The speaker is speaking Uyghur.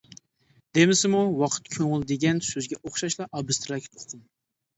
دېمىسىمۇ، ۋاقىت كۆڭۈل دېگەن سۆزگە ئوخشاشلا ئابستراكت ئۇقۇم.